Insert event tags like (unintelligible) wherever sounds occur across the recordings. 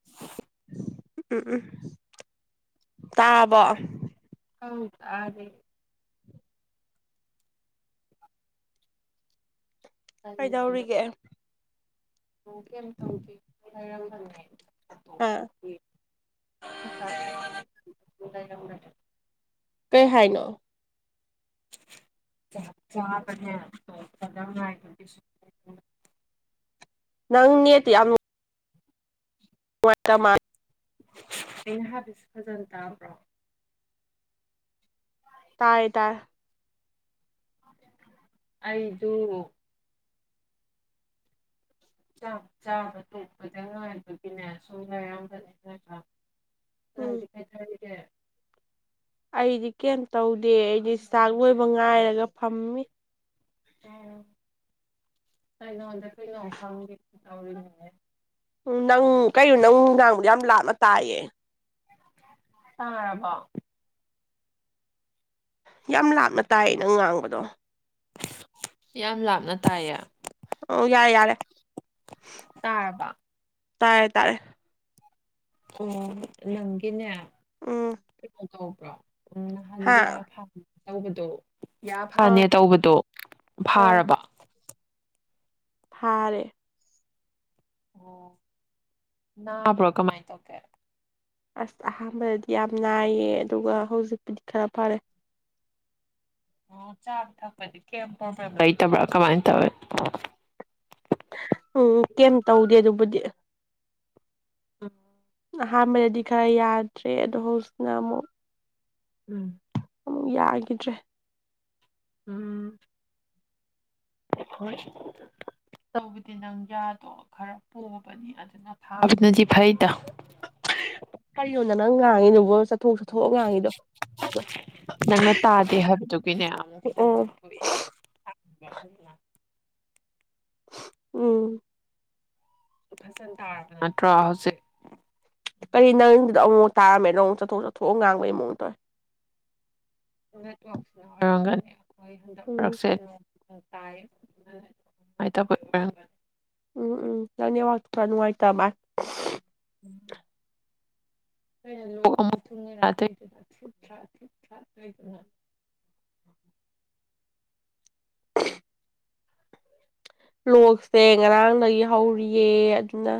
(unintelligible) ꯎꯝ ꯎꯝ ꯇꯥꯕ ꯍꯗ ꯑꯗꯨꯗꯦ ꯀꯩꯗꯧꯔꯤꯒꯦ ꯊ ꯍꯔꯝ ꯑꯥ ꯅ ꯀꯩ ꯍꯥꯏꯅꯣ ꯆ ꯆꯥꯄꯅꯤꯙꯅ ꯍꯥꯏ ꯅꯪ ꯅꯦꯇ ꯌꯥꯝ ꯋꯥ ꯃꯥ ꯑꯩꯅ ꯍꯥꯄꯤꯁꯨ ꯐꯖꯅ ꯇꯥꯕ꯭ꯔꯣ ꯇꯥꯏ ꯇꯥꯏ ꯑꯩꯗꯨ ꯆꯥꯕ ꯇꯣꯛꯄꯗ ꯉꯥꯏꯕꯒꯤꯅꯦ ꯁꯣꯝꯅꯌꯥꯝꯕ ꯂꯩꯗ꯭ꯔꯥ ꯑ ꯎꯝ ꯀꯩꯒ ꯑꯩꯗꯤ ꯀꯔꯤꯝ ꯇꯧꯗꯦ ꯑꯩꯗꯤ ꯆꯥꯛ ꯂꯣꯏꯕ ꯉꯥꯏꯔꯒ ꯐꯝꯃꯤ ꯑꯣ ꯑꯩꯉꯣꯟꯗ ꯀ ꯅꯣꯡ ꯐꯪꯒꯦ ꯇꯧꯔꯤꯅꯦꯅꯦ ꯎ ꯅꯪ ꯀꯩꯅꯣ ꯅꯪ ꯅꯡꯕꯨ ꯌꯥꯝ ꯂꯥꯞꯅ ꯇꯥꯏꯌꯦ ꯇꯥꯔꯝꯕ ꯌꯥꯝ ꯂꯥꯞꯅ ꯇꯥꯏ ꯅꯪ ꯉꯥꯡꯕꯗꯣ ꯌꯥꯝ ꯂꯥꯞꯅ ꯇꯥꯏꯌꯦ ꯑꯣ ꯌꯥꯔꯦ ꯌꯥꯔꯦ ꯇꯥꯕ ꯇꯥꯔꯦ ꯇꯥꯔꯦ ꯑꯣ ꯅꯪꯒꯤꯅꯦ ꯎꯝ ꯀꯩꯅꯣ ꯇꯧꯕ꯭ꯔꯣ ꯎ ꯍꯥ ꯅꯍꯥꯟꯒꯌꯥ ꯐꯥ ꯇꯧꯕꯗꯣ ꯌꯥ ꯑꯥ ꯐꯅꯦ ꯇꯧꯕꯗꯣ ꯐꯥꯔꯕ ꯊꯥꯔꯦ ꯑꯣ ꯅꯕꯔꯣ ꯀꯃꯥꯏ ꯇꯧꯒꯦ ꯑꯁ ꯑꯍꯥꯟꯕꯗꯗꯤ ꯌꯥꯝ ꯅꯥꯏꯌꯦ ꯑꯗꯨꯒ ꯍꯧꯖꯤꯛꯄꯨꯗꯤ ꯈꯔ ꯐꯔꯦ ꯑꯣ ꯆꯥꯕ ꯊꯛꯄꯗꯤ ꯀꯌꯦꯝ ꯄ꯭ꯔꯣꯕ꯭ꯂꯦꯝ ꯂꯩꯇꯕ꯭ꯔꯥ ꯀꯃꯥꯏꯟ ꯇꯧꯋꯤ ꯑꯣ ꯀꯩꯝ ꯇꯧꯗꯦ ꯑꯗꯨꯕꯨꯗꯤ (unintelligible) ꯑꯍꯥꯟꯕꯗꯗꯤ ꯈꯔ ꯌꯥꯗ꯭ꯔꯦ ꯑꯗꯣ ꯍꯧꯖꯤꯛꯅ ꯑꯃꯨꯛ ꯎꯝ ꯑꯃꯨꯛ ꯌꯥꯒꯤꯗ꯭ꯔꯦ ꯎꯝ꯫ ꯍꯣꯏ ꯇꯧꯕꯗꯤ ꯅꯪ ꯌꯥꯗꯣ ꯈꯔ ꯄꯣꯕꯅꯤ ꯅ ꯊꯥꯕꯅꯗꯤ ꯐꯩꯗ ꯀꯔꯤꯅꯣꯗ ꯅꯪ ꯉꯥꯡꯉꯤꯅꯕꯣ ꯆꯠꯊꯣꯛ ꯆꯠꯊꯣꯛꯑꯒ ꯉꯥꯡꯉꯤꯗꯣ ꯅꯪꯅ ꯇꯥꯗꯦ ꯍꯥꯏꯕꯗꯨꯒꯤꯅꯦ ꯑꯃꯨꯛ ꯑꯣ ꯈꯤꯇꯪꯪ ꯋꯥ ꯐꯖꯂ ꯎꯝ ꯆ ꯊꯗꯅꯠꯇ꯭ꯔ ꯎꯆ ꯀꯔꯤ ꯅꯪꯗꯨꯗ ꯑꯃꯨꯛ ꯇꯥꯔꯃꯦꯅ ꯑꯃꯨꯛ ꯆꯠꯣꯛ ꯆꯠꯊꯣꯛꯒ ꯉꯥꯡꯕꯒꯤ ꯃꯑꯣꯡꯗꯧꯦ ꯑꯣꯏꯔꯝꯒꯅꯤ ꯑꯩꯈꯣꯏ ꯎꯝ ꯍꯟꯗꯔꯛꯁꯦ ꯇꯥꯏ ꯃꯥꯏ (unintelligible) ꯎꯝ ꯎꯝ ꯅꯪ ꯅꯦꯠꯋ꯭ꯥꯛ ꯈꯔꯥ ꯅꯨꯡꯉꯥꯏꯇꯃꯥ (inaudible) (unintelligible) ꯂꯣꯛꯁꯦ ꯉꯔꯥꯡꯗꯒꯤ ꯍꯧꯔꯤꯌꯦ ꯑꯗꯨꯅ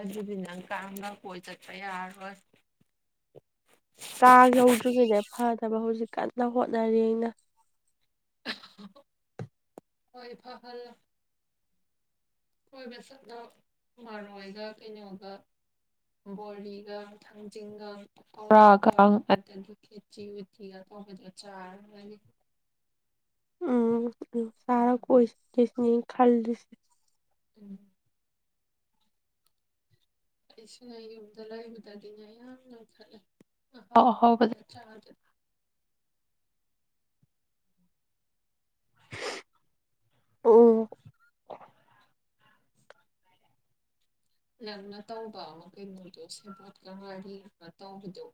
ꯑꯗꯨꯗꯤ ꯅꯪ ꯀꯥꯡꯒ ꯀꯣꯏ ꯆꯠꯄ ꯌꯥꯔꯣꯏ ꯀꯥꯡ ꯌꯧꯗ꯭ꯔꯤꯉꯩꯗ ꯐꯅꯕ ꯍꯧꯖꯤꯛ ꯀꯟꯅ ꯍꯣꯠꯅꯔꯤ ꯑꯩꯅꯥ ꯍꯣꯏ (unintelligible) ꯀꯣꯏꯕ ꯆꯠꯅ ꯃꯔꯔꯣꯏꯒ ꯀꯩꯅꯣꯒ꯫ ꯕꯣꯔꯤꯒ ꯊꯥꯡꯖꯤꯡꯒ ꯄꯥꯀꯧꯔꯒꯥꯡ ꯑꯗꯒꯤ (unintelligible) ꯎꯝ (unintelligible) ꯎꯝ ꯑꯩꯁꯤꯅ ꯌꯨꯝꯗ ꯂꯩꯕꯗꯒꯤꯅꯦ ꯌꯥꯝ ꯅꯣꯏꯈꯥꯠꯂꯦ ꯑꯍꯥꯎ ꯑꯍꯥꯎꯕ ꯆꯥꯕꯗ ꯎꯝ (inaudible) ꯅꯪꯅ ꯇꯧꯕ ꯑꯃ ꯀꯩꯅꯣꯗꯣ ꯁꯦꯕꯣꯠꯀ ꯉꯔꯤ ꯇꯧꯕꯗꯣ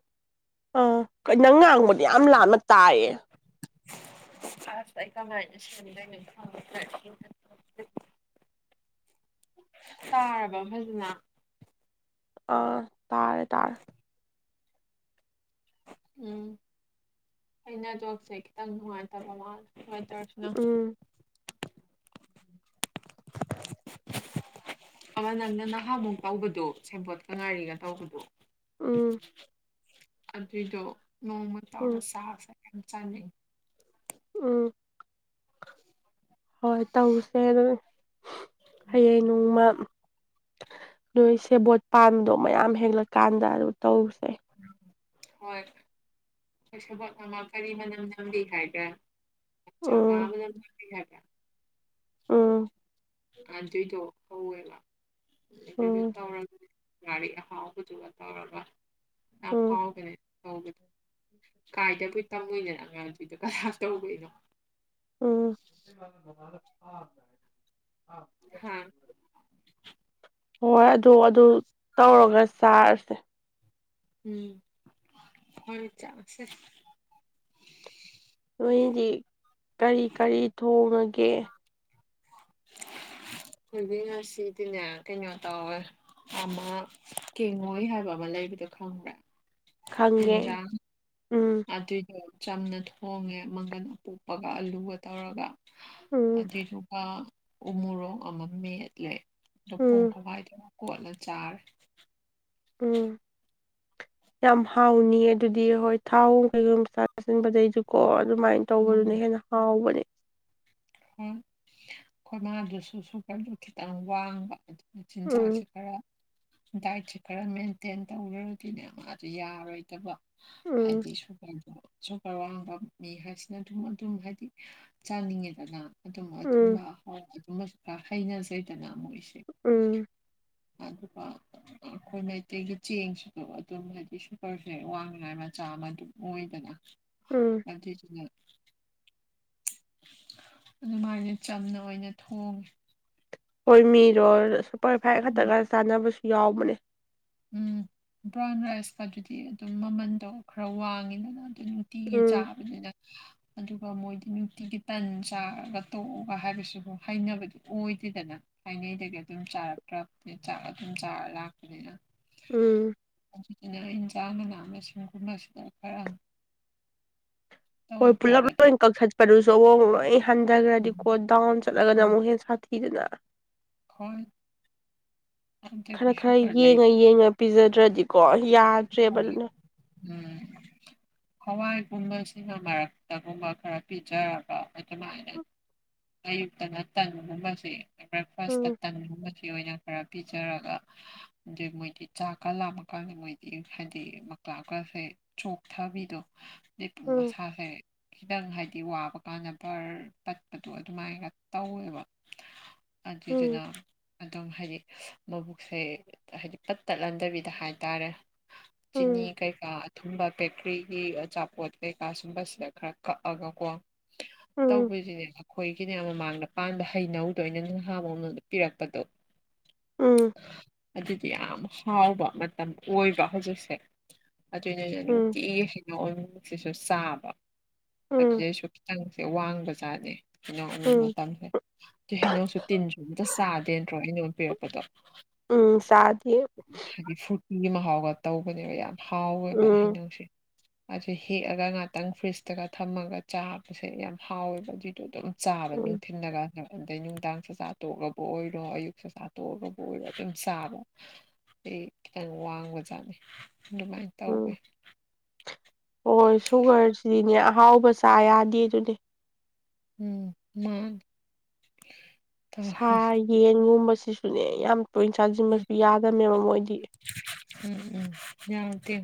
ꯑꯥ ꯀꯩ ꯅꯪ ꯉꯥꯡꯕꯗꯤ ꯌꯥꯝ ꯂꯥꯞꯅ ꯇꯥꯏꯌꯦ (inaudible) (unintelligible) ꯇꯥꯔꯕ ꯐꯖꯅ ꯑꯥ ꯇꯥꯔꯦ ꯇꯥꯔꯦ ꯎꯝ ꯑꯩꯅ ꯖꯣꯕꯁꯦ ꯈꯤꯇꯪ ꯅꯨꯡꯉꯥꯏꯇꯕ ꯃꯥꯜ ꯍꯥꯏ ꯇꯔꯦ (inaudible) ꯎꯝ ꯑꯃ ꯅꯪꯅ ꯅꯍꯥꯃꯨꯛ ꯇꯧꯕꯗꯣ ꯁꯦꯟꯕꯣꯠꯀ ꯉꯥꯏꯔꯤꯒ ꯇꯧꯕꯗꯣ ꯎꯝ ꯑꯗꯨꯏꯗꯣ ꯅꯣꯡꯃ ꯎꯝ ꯇꯧꯔ ꯆꯁꯦ ꯌꯥꯝ ꯆꯥꯅꯤꯡꯉꯤ ꯎꯝ ꯍꯣꯏ ꯇꯧꯁꯦ ꯑꯗꯨꯝ ꯍꯌꯦꯡ ꯅꯣꯡꯃ ꯅꯣꯏ ꯁꯦꯕꯣꯠ ꯄꯥꯟꯕꯗꯣ ꯃꯌꯥꯝ ꯍꯦꯜꯂꯛꯀꯥꯟꯗ ꯑꯗꯨ ꯇꯧꯁꯦ ꯍꯣꯏ꯫ ꯈꯣꯏ ꯁꯦꯕꯣꯠ ꯑꯃꯥ ꯀꯔꯤ ꯃꯅꯝ ꯅꯝꯕꯤ ꯍꯥꯏꯕ꯭ꯔꯥ ꯆꯉꯥ ꯎꯝ ꯃꯅꯝ ꯅꯝꯕꯤ ꯍꯥꯏꯕ꯭ꯔꯥ ꯝ ꯑꯗꯨꯏꯗꯣ ꯍꯧꯋꯦꯕ ꯑꯗꯨꯗꯨ ꯎꯝ ꯇꯧꯔꯒꯅꯦ ꯒꯥꯒ ꯍꯥꯎꯕꯗꯨ ꯑꯕ ꯌꯥꯝ ꯎꯝ ꯐꯥꯎꯅꯦ (inaudible) ꯇꯧꯕꯗ ꯀꯥꯏꯗꯕꯨ ꯇꯝꯃꯣꯏꯅꯣ ꯑꯉꯥꯡꯁꯤꯡꯗꯣ ꯀꯅꯥ ꯇꯧꯕꯤꯔꯤꯅꯣ ꯎꯥꯝ ꯍꯥ ꯍꯣꯏ ꯑꯗꯨ ꯑꯗꯨ ꯇꯧꯔꯒ ꯆꯥꯔꯁꯦ ꯎꯝ ꯍꯣꯏ ꯆꯁꯦ ꯅꯣꯏꯗꯤ ꯀꯔꯤ ꯀꯔꯤ ꯊꯣꯡꯉꯒꯦ ꯑꯈꯣꯢꯗꯤꯅꯦ ꯉꯁꯤꯗꯤꯅꯦ ꯀꯩꯅꯣ ꯇꯧꯔꯦ ꯑꯃ ꯀꯦꯡꯉꯣꯏ ꯍꯥꯏꯕ ꯑꯃ ꯂꯩꯕꯗꯣ ꯈꯪꯕ꯭ꯔꯥ ꯈꯪꯉꯦ ꯎꯝ ꯑꯗꯨꯏꯗꯣ ꯆꯝꯅ ꯊꯣꯡꯉꯦ ꯃꯪꯒꯟ ꯑꯄꯣꯛꯄꯒ ꯑꯂꯨꯒ ꯇꯧꯔꯒ ꯎꯝ ꯑꯗꯨꯏꯗꯨꯒ ꯎꯃꯣꯔꯣꯛ ꯑꯃꯒ ꯃꯦꯠꯂꯦ ꯑꯗꯣ ꯄꯣꯡ ꯎꯝ ꯍꯥꯋꯥꯏꯗꯨꯒ ꯀꯣꯠꯂ ꯆꯥꯔꯦ ꯎꯝ ꯌꯥꯝ ꯍꯥꯎꯅꯤ ꯑꯗꯨꯗꯤ ꯍꯣꯏ ꯊꯥꯎ ꯀꯩꯒꯨꯝ ꯆꯥꯁꯤꯟꯕꯗꯩꯁꯨꯀꯣ ꯑꯗꯨꯃꯥꯏꯅ ꯇꯧꯕꯗꯨꯅ ꯍꯦꯟꯅ ꯍꯥꯎꯕꯅꯦ ꯍꯣꯏ ꯑꯩꯈꯣꯏ ꯃꯥꯗꯨꯁꯨ ꯁꯨꯝ ꯈꯤꯇꯪ ꯋꯥꯡꯕ ꯆꯤꯟꯖꯥꯛꯁꯦ ꯎꯝ ꯈꯔꯥ ꯗꯥꯏꯠꯁꯤ ꯈꯔ ꯃꯦꯟꯇꯦꯟ ꯇꯧꯔꯗꯤꯅꯦ ꯃꯥꯁꯨ ꯌꯥꯔꯣꯏꯗꯕ ꯎꯝ ꯍꯥꯏꯗꯤ ꯁꯨꯃꯥꯢ ꯇꯧꯕ ꯁꯨꯀ꯭ꯔ ꯋꯥꯡꯕ ꯃꯤ ꯍꯥꯏꯁꯤꯅ ꯑꯗꯨꯝ ꯑꯗꯨꯝ ꯍꯥꯏꯗꯤ ꯆꯥꯅꯤꯡꯉꯦꯗꯅ ꯑꯗꯨꯝꯕ ꯎꯝ ꯑꯊꯨꯝꯕ ꯑꯗꯨꯝꯕꯁꯨ ꯀꯌꯥ ꯍꯩꯅꯗꯦꯗꯅ ꯃꯣꯏꯁꯦ ꯎꯝ ꯑꯗꯨꯀ ꯑꯩꯈꯣꯏ ꯃꯩꯇꯩꯒꯤ ꯆꯦꯡꯁꯨ ꯑꯗꯨꯝ ꯍꯥꯏꯗꯤ ꯁꯨꯀꯔꯁꯦ ꯋꯥꯡꯅꯤꯉꯥꯏ ꯃꯆꯥ ꯑꯃ ꯑꯗꯨꯝ ꯑꯣꯏꯗꯅ ꯎꯝ ꯑꯗꯨꯢꯗꯨꯅ ꯑꯗꯨꯃꯥꯏꯅ ꯆꯝꯅ ꯑꯣꯏꯅ ꯊꯣꯡꯉꯦ ꯍꯣꯏ ꯃꯤꯗꯣ ꯁꯨꯄꯔ ꯐꯥꯏꯚ ꯈꯛꯇꯒ ꯆꯥꯟꯅꯕꯁꯨ ꯌꯥꯎꯕꯅꯦ ꯎꯝ ꯕ꯭ꯔꯥꯎꯟ ꯔꯥꯏꯁꯀ ꯑꯗꯨꯗꯤ ꯑꯗꯨꯝ ꯃꯃꯟꯗꯣ ꯈꯔ ꯋꯥꯡꯉꯤꯗꯅ ꯑꯗꯨꯝ ꯅꯨꯡꯇꯤꯒꯤ ꯎꯝ ꯆꯥꯕꯅꯤꯅ ꯑꯗꯨꯒ ꯃꯣꯏꯗꯤ ꯅꯨꯡꯇꯤꯒꯤ ꯇꯟ ꯆꯥꯔꯒ ꯇꯣꯛꯑꯒ ꯍꯥꯏꯕꯁꯤꯕꯨ ꯍꯥꯢꯅꯕꯗꯤ ꯑꯣꯏꯗꯦꯗꯅ ꯊꯥꯏꯅꯩꯗꯒꯤ ꯑꯗꯨꯝ ꯆꯥꯔꯛꯇ꯭ꯔꯕꯅꯤꯅ ꯆꯥꯛ ꯑꯗꯨꯝ ꯆꯥꯔ ꯂꯥꯛꯄꯅꯤꯅ ꯎꯝ ꯑꯗꯨꯗꯨꯅ ꯏꯟꯖꯥꯡ ꯃꯅꯥ ꯃꯁꯤꯡꯒꯨꯝꯕꯁꯤꯗ ꯈꯔ ꯍꯣꯏ ꯄꯨꯂꯞ ꯂꯣꯏ ꯀꯛꯊꯠꯄꯗꯨꯁꯨ ꯑꯃꯨꯛ ꯂꯣꯏ ꯍꯟꯊꯈ꯭ꯔꯗꯤ ꯀꯣ ꯗꯥꯎꯟ ꯆꯠꯂꯒꯅ ꯑꯃꯨꯛ ꯍꯦꯟꯅ ꯁꯥꯊꯤ ꯏꯗꯅ (inaudible) ꯍꯣꯏ ꯈꯔ ꯈꯔ ꯌꯦꯡꯉ ꯌꯦꯡꯉ ꯄꯤꯖꯗ꯭ꯔꯗꯤꯀꯣ ꯌꯥꯗ꯭ꯔꯦꯕ ꯑꯗꯨꯅ ꯎꯝ ꯍꯋꯥꯏꯒꯨꯝꯕꯁꯤꯅ ꯃꯔꯛꯇ ꯒꯨꯝꯕ ꯈꯔ ꯄꯤꯖꯔꯒ ꯑꯗꯨꯃꯥꯏꯅ ꯑꯌꯨꯛꯇꯅ ꯇꯟꯒꯨꯝꯕꯁꯤ ꯕ꯭ꯔꯦꯛꯐꯥꯁꯇ ꯎꯝ ꯇꯟꯒꯨꯝꯕꯁꯤ ꯑꯣꯏꯅ ꯈꯔ ꯄꯤꯖꯔꯒ ꯑꯗꯩ ꯃꯣꯏꯗꯤ ꯆꯥꯛꯀ ꯂꯥꯃ ꯀꯥꯟꯗ ꯃꯣꯏꯗꯤ ꯍꯥꯏꯗꯤ ꯃꯥꯀ꯭ꯔꯥꯞꯒꯁꯦ ꯆꯣꯛꯊꯕꯤꯗꯣ ꯑꯗꯩ ꯎꯝ ꯃꯁꯥꯁꯦ ꯈꯤꯇꯪ ꯍꯥꯏꯗꯤ ꯋꯥꯕ ꯀꯥꯟꯗ ꯕꯔ ꯑꯗꯨ ꯑꯗꯨꯃꯥꯏꯒ ꯇꯧꯋꯦꯕ ꯑꯗꯨꯗꯨꯅ ꯎꯝ ꯑꯗꯨꯝ ꯍꯥꯏꯗꯤ ꯃꯕꯨꯛꯁꯦ ꯍꯥꯏꯗꯤ ꯄꯥꯠ ꯇꯠꯍꯥꯟꯗꯕꯤꯗ ꯍꯥꯏꯇꯥꯔꯦ ꯆꯤꯅꯤ ꯎꯝ ꯀꯩꯀꯥ ꯊꯨꯝꯕ ꯕꯦꯀꯔꯤꯒꯤ ꯑꯆꯥꯄꯣꯠ ꯀꯩꯀꯥ ꯁꯨꯝꯕꯁꯤꯗ ꯈꯔ ꯀꯛꯑꯒꯀꯣ ꯎꯝ ꯇꯧꯕꯤꯖꯨꯂꯥꯁꯟ ꯑꯩꯈꯣꯏꯒꯤꯅꯦ ꯃꯃꯥꯡꯗ ꯄꯥꯟꯕ ꯍꯩꯅꯧꯗꯣ ꯑꯩꯅꯥꯃꯨꯛ ꯍꯦꯛꯂ ꯅꯪꯉꯣꯟꯗ ꯄꯤꯔꯛꯄꯗꯣ ꯎꯝ ꯑꯗꯨꯗꯤ ꯌꯥꯝ ꯍꯥꯎꯕ ꯃꯇꯝ ꯑꯣꯏꯕ ꯍꯧꯖꯤꯛꯁꯦ ꯑꯗꯨꯏꯅꯅꯦ ꯎꯝ ꯅꯨꯡꯇꯤꯒꯤꯁꯤꯅꯣ ꯑꯣꯏꯕꯅꯦ ꯊꯤꯁꯨ ꯆꯕꯥ ꯎꯝ ꯑꯗꯨꯗꯩꯁꯨ ꯈꯤꯇꯪ ꯁꯦ ꯋꯥꯡꯕꯆꯥꯗꯦ ꯏꯅꯥꯎꯒꯤ ꯎꯝ ꯃꯇꯝꯁꯦ ꯇꯩ ꯍꯩꯅꯧꯁꯨ ꯇꯤꯟꯁꯨ ꯑꯝꯇ ꯆꯥꯗꯦ ꯅꯠꯇ꯭ꯔꯣ ꯍꯩꯅꯧ ꯄꯤꯔꯛꯄꯗꯣ ꯎꯝ ꯆꯥꯗꯦ ꯍꯥꯏꯗꯤ ꯐꯨꯔꯇꯤ ꯃꯍꯥꯎꯒ ꯇꯧꯕꯅꯦꯕ ꯌꯥꯝ ꯍꯥꯎꯋꯦꯕ ꯎꯝ ꯍꯩꯅꯧꯁꯦ ꯑꯗꯨ ꯍꯦꯛꯑꯒ ꯉꯥꯛꯇꯪ ꯐ꯭ꯔꯤꯖꯇꯒ ꯊꯝꯃꯒ ꯆꯥꯕꯁꯦ ꯌꯥꯝ ꯍꯥꯎꯋꯦꯕ ꯑꯗꯨꯏꯗꯣ ꯑꯗꯨꯝ ꯆꯥꯕ ꯎꯝ ꯅꯨꯡꯊꯤꯜꯗꯒ ꯑꯗꯩ ꯅꯨꯡꯗꯥꯡ ꯆꯥꯛꯆꯥ ꯇꯣꯛꯂꯕꯨ ꯑꯣꯏꯔꯣ ꯑꯌꯨꯛ ꯆꯥꯛꯆꯥ ꯇꯣꯛꯑꯒꯕꯨ ꯑꯣꯏꯔꯣ ꯑꯗꯨꯝ ꯆꯥꯕ ꯑꯩ ꯈꯤꯇꯪ ꯋꯥꯡꯕꯖꯥꯠꯅꯤ ꯑꯗꯨꯃꯥꯏꯅ ꯇꯧꯈꯦ ꯎꯝ ꯍꯣꯏ ꯁꯨꯒꯔꯁꯤꯗꯤꯅꯦ ꯑꯍꯥꯎꯕ ꯆꯥ ꯌꯥꯗꯦ ꯗꯨꯅꯦ ꯎꯝ ꯃꯥꯅꯦ ꯁꯥ ꯌꯦꯟꯒꯨꯝꯕꯁꯤꯁꯨꯅꯦ ꯌꯥꯝ ꯇꯣꯏꯅ ꯆꯥꯁꯤꯟꯕꯁꯨ ꯌꯥꯗꯝꯅꯦꯕ ꯃꯣꯏꯗꯤ ꯎꯝ ꯎꯝ ꯌꯥꯎꯇꯦ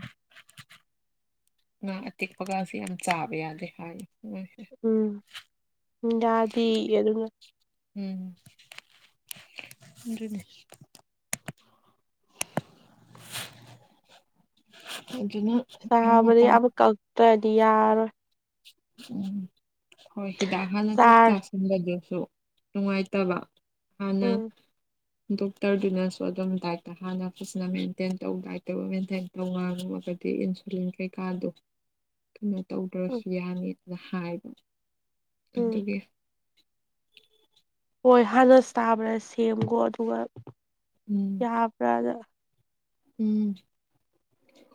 ꯉꯥ ꯑꯇꯦꯛꯄꯒꯁꯤ ꯌꯥꯝ ꯆꯥꯕ ꯌꯥꯗꯦ ꯍꯥꯏꯕꯅꯦ ꯃꯣꯢꯁꯦ ꯎꯝ ꯎꯝ ꯌꯥꯗꯤꯔꯦ ꯑꯗꯨꯅ ꯎꯝ ꯗꯨꯅꯦ ꯑꯗꯨꯅꯦ ꯁꯥꯕꯗꯤ ꯌꯥꯕ ꯀꯛꯇ꯭ꯔꯗꯤ ꯌꯥꯔꯣꯏ ꯎꯝ ꯍꯣꯏ ꯍꯤꯗꯥꯛ ꯍꯥꯟꯅ ꯀꯣꯛ ꯆꯥꯔ ꯆꯥꯁꯤꯟꯕꯗꯨꯁꯨ ꯅꯨꯡꯉꯥꯏꯇꯕ ꯍꯥꯟꯅ ꯎꯝ ꯗꯣꯛꯇꯔꯗꯨꯅꯁꯨ ꯑꯗꯨꯝ ꯗꯥꯏꯠꯇ ꯍꯥꯟꯅ ꯐꯖꯅ ꯃꯦꯟꯇꯦꯟ ꯇꯧ ꯗꯥꯏꯠꯇꯧ ꯃꯦꯟꯇꯦꯟ ꯇꯣꯉꯥꯟꯕ ꯃꯊꯛꯀꯤ ꯏꯟꯁꯨꯂꯤꯟ ꯀꯩꯀꯥꯗꯣ ꯀꯩꯅꯣ ꯎꯝ ꯇꯧꯗ꯭ꯔꯁꯨ ꯌꯥꯅꯤꯗꯅ ꯍꯥꯏꯕ ꯎꯝ ꯑꯗꯨꯒꯤ ꯍꯣꯏ ꯍꯥꯟꯅ ꯁꯇꯥꯕ꯭ꯔꯥ ꯁꯦꯝꯈꯣ ꯑꯗꯨꯒ ꯌꯥꯕ꯭ꯔꯥꯅ ꯎꯝ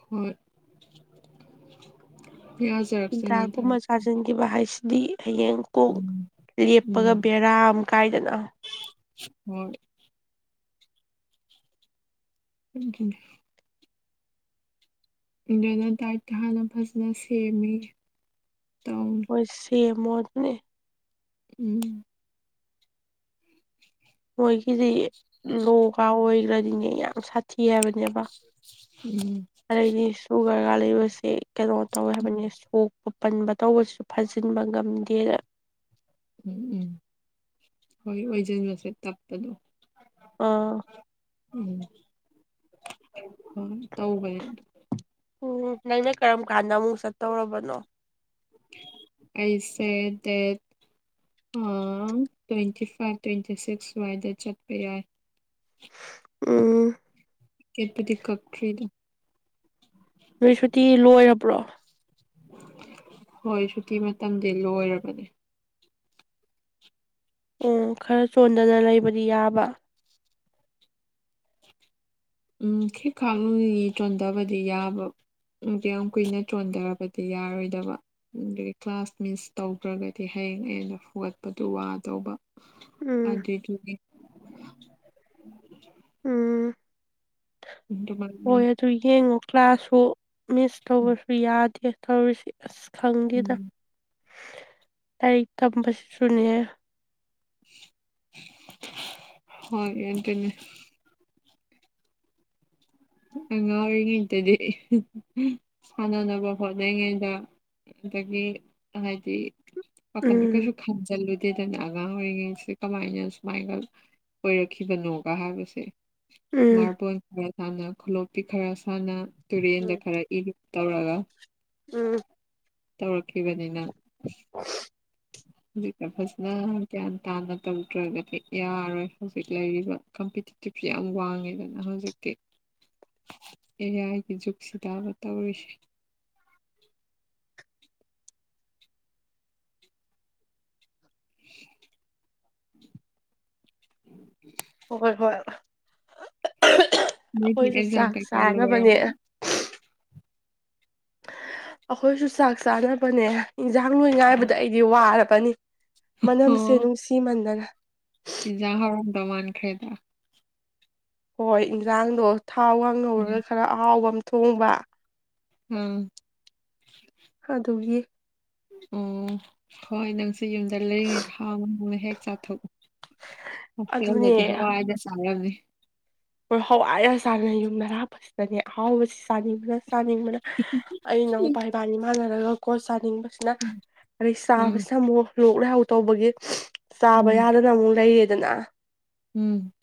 ꯍꯣꯏ (unintelligible) ꯍꯤꯗꯥꯛ ꯀꯨꯝꯕ ꯆꯥꯁꯤꯟꯈꯤꯕ ꯍꯥꯏꯁꯤꯗꯤ ꯍꯌꯦꯡ ꯀꯣꯛ ꯂꯦꯞꯄꯒ ꯕꯦꯔꯥꯅꯤ ꯀꯥꯏꯗꯅꯣ ꯎꯝ ꯎꯈꯤꯅꯤ ꯏꯟꯗꯔꯅꯦꯠ ꯗꯥꯏꯠꯇ ꯍꯥꯟꯅ ꯐꯖꯅ ꯁꯦꯝꯃꯦ ꯇꯧ ꯍꯣꯏ ꯁꯦꯃꯣ ꯑꯗꯨꯅꯦ ꯎꯝ ꯃꯣꯏꯒꯤꯗꯤ ꯂꯣꯒꯥꯎ ꯑꯣꯏꯈ꯭ꯔꯗꯤꯅꯦ ꯌꯥꯝ ꯁꯥꯊꯤ ꯍꯥꯏꯕꯅꯦꯕ ꯎꯝ ꯑꯗꯩꯗꯤ ꯁꯨꯒꯔꯒ ꯂꯩꯕꯁꯦ ꯀꯩꯅꯣ ꯇꯧꯋꯦ ꯍꯥꯏꯕꯅꯤ ꯁꯣꯛ ꯑꯣꯄꯟꯕ ꯇꯧꯕꯁꯨ ꯐꯥꯖꯤꯟꯕ ꯉꯝꯗꯦꯗ ꯎꯝ ꯎꯝ ꯍꯣꯏ ꯑꯣꯏꯁꯤꯟꯕꯁꯦ ꯇꯞꯄꯅꯦ ꯑꯥ ꯎꯝ ꯎꯝ ꯇꯧ ꯀꯩꯅꯣ ꯎꯝ ꯅꯪꯅ ꯀꯔꯝ ꯀꯥꯟꯗ ꯑꯃꯨꯛ ꯆꯠꯇꯧꯔꯕꯅꯣ ꯑꯩꯁꯦ ꯗꯦꯠ ꯎꯝ ꯇ꯭ꯋꯦꯟꯇꯤ ꯐꯥꯏꯚ ꯇ꯭ꯋꯦꯟꯇꯤ ꯁꯤꯛꯁ ꯋꯥꯏꯗ ꯆꯠꯄ ꯌꯥꯏ ꯎꯝ ꯀꯦꯠꯄꯗꯤ ꯀꯄꯇꯔꯦꯗ ꯅꯣꯏ ꯁꯨꯇꯤ ꯂꯣꯏꯔꯕ꯭ꯔꯣ ꯍꯣꯏ ꯁꯨꯇꯤ ꯃꯇꯝꯗꯤ ꯂꯣꯏꯔꯕꯅꯦ ꯑꯣ ꯈꯔ ꯆꯣꯟꯗꯅ ꯂꯩꯕꯗꯤ ꯌꯥꯕ ꯎꯝ ꯈꯤꯛ ꯈꯥꯛ ꯉ ꯆꯣꯟꯊꯕꯗꯤ ꯌꯥꯕ ꯎ ꯌꯥꯝ ꯀꯨꯏꯅ ꯆꯣꯟꯊꯔꯕꯗꯤ ꯌꯥꯔꯣꯏꯗꯕ ꯑꯗꯨꯗꯒꯤ ꯀ꯭ꯂꯥꯁ ꯃꯤꯟꯁ ꯇꯧꯗ꯭ꯔꯒꯗꯤ ꯍꯌꯦꯡ ꯑꯩꯅ ꯐꯨꯒꯠꯄꯗꯨ ꯋꯥꯗꯧꯕ ꯎꯝ ꯑꯗꯨꯏꯗꯨꯒꯤ ꯎꯝ ꯍꯣꯏ ꯑꯗꯨ ꯌꯦꯡꯉꯣ ꯀ꯭ꯂꯥꯁꯨ ꯃꯤꯁ ꯇꯧꯕꯁꯨ ꯌꯥꯗꯦ ꯇꯧꯔꯤꯁꯤ ꯑꯁ ꯈꯪꯗꯦꯗ ꯂꯥꯏꯔꯤꯛ ꯇꯝꯕꯁꯤꯁꯨꯅꯦ ꯍꯣꯏ ꯌꯦꯟꯇꯅꯦ ꯑꯉꯥ ꯑꯣꯏꯔꯤꯉꯩꯗꯗꯤ ꯁꯥꯟꯅꯅꯕ ꯍꯣꯠꯅꯩꯉꯩꯗ ꯑꯗꯒꯤ ꯍꯥꯏꯗꯤ ꯋꯥꯥꯈꯟꯗ ꯎꯝ ꯀꯩꯁꯨ ꯈꯟꯖꯜꯂꯨꯗꯔ꯭ꯗꯤꯅꯦ ꯑꯉꯥꯡ ꯑꯣꯏꯔꯤꯉꯩꯁꯦ ꯀꯃꯥꯏꯅ ꯁꯨꯃꯥꯏꯒ ꯑꯣꯏꯔꯛꯈꯤꯕꯅꯣꯒ ꯍꯥꯏꯕꯁꯦ ꯎꯝ ꯃꯥꯔꯕꯣꯟ ꯈꯔ ꯁꯅ ꯈꯨꯂꯣꯞꯄꯤ ꯈꯔ ꯁꯅ ꯇꯨꯔꯦꯟꯗ ꯎꯝ ꯈꯔ ꯏꯔꯨꯞ ꯇꯧ꯭ꯔꯒ ꯎꯝ ꯇꯧꯔꯛꯈꯤꯕꯅꯤꯅꯪ UNINTELLIGIBLE ꯍꯧꯖꯤꯛꯇ ꯐꯖꯅ ꯒ꯭ꯌꯥꯟ ꯇꯥꯅ ꯇꯧꯗ꯭ꯔꯒꯗꯤ ꯌꯥꯔꯣꯏ ꯍꯧꯖꯤꯛ ꯂꯩꯔꯤꯕ ꯀꯝ ꯇꯤꯞꯤ ꯌꯥꯝ ꯋꯥꯡꯉꯦꯗꯅ ꯍꯧꯖꯤꯛꯇꯤ ꯑꯦ ꯌꯥꯏꯒꯤ ꯖꯨꯛꯁꯤꯗ ꯑꯃ ꯇꯧꯔꯤꯁꯦ ꯍꯣꯏ ꯍꯣꯏ ꯑꯩꯈꯣꯏꯁꯨ ꯆꯥꯛ ꯆꯥꯅꯕꯅꯦ ꯑꯩꯈꯣꯏꯁꯨ ꯆꯥꯛ ꯆꯥꯅꯕꯅꯦ ꯏꯟꯁꯥꯡ ꯅꯣꯏ ꯉꯥꯏꯕꯗ ꯑꯩꯗꯤ ꯋꯥꯔꯕꯅꯤ ꯃꯅꯝꯁꯦ ꯅꯨꯡꯁꯤꯃꯟꯗꯅ ꯏꯟꯓꯪ ꯍꯔꯥꯝꯗꯧ ꯃꯥꯟꯈ꯭ꯔꯦꯗ ꯍꯣꯏ ꯏꯟꯖꯥꯡꯗꯣ ꯊꯥꯎ ꯋꯥꯡꯅꯧꯔꯒ ꯈꯔ ꯑꯍꯥꯎꯕ ꯑꯃ ꯊꯣꯡꯕ ꯎꯝ ꯑꯗꯨꯒꯤ ꯑꯣ ꯍꯣꯏ ꯅꯪꯁꯨꯦ ꯌꯨꯝꯗ ꯂꯩꯔꯤꯉꯩꯗ ꯍꯥꯎꯅ ꯍꯣꯡꯅ ꯍꯦꯛ ꯆꯥꯊꯣꯛꯎ ꯍꯦꯇꯩꯜꯗꯗꯤ ꯑꯗꯨꯅꯦ ꯍꯋꯥꯏ ꯗ ꯆꯥꯔꯝꯅꯤ ꯍꯣꯏ ꯍꯋꯥꯏꯔ ꯆꯥꯟꯅꯩ ꯌꯨꯝ ꯑꯔꯥꯄꯁꯤꯗꯅꯦ ꯑꯍꯥꯎꯕꯁꯤ ꯆꯥꯅꯤꯡꯕꯅ ꯆꯥꯅꯤꯡꯕꯗ ꯑꯩ ꯏꯅꯥꯎꯄꯥ ꯏꯕꯥꯅꯤꯃꯥꯟꯅꯔꯒ ꯀꯣꯠ ꯆꯥꯅꯤꯡꯕꯁ ꯑꯗꯩ ꯆꯥꯕꯁꯦ ꯑꯃꯨꯛ ꯂꯣꯛ ꯂꯍꯥꯎ ꯇꯧꯕꯒꯤ ꯆꯥꯕ ꯌꯥꯗꯅ ꯑꯃꯨꯛ ꯂꯩꯔꯦꯗꯅ ꯎꯝ